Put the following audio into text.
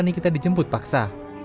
nikita dijemput paksa